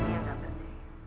yang akan datang